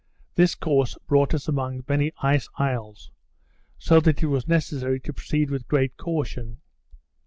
This course brought us among many ice isles; so that it was necessary to proceed with great caution.